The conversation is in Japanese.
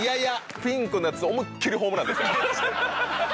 ピンクのやつを思いっきりホームランでしたよ。